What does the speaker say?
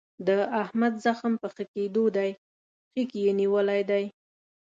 د احمد زخم په ښه کېدو دی. خیګ یې نیولی دی.